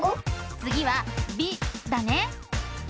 つぎは「び」だね。